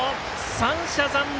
３者残塁。